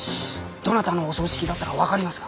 どなたのお葬式だったかわかりますか？